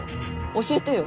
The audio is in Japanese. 教えてよ。